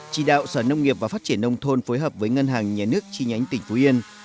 chỉ đạo sở nông nghiệp và phát triển nông thôn phối hợp với ngân hàng nhà nước chi nhánh tỉnh phú yên